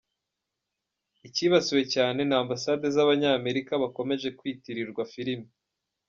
Ikibasiwe cyane ni ambasade z’Abanyamerika, bakomeje kwitirirwa filimi.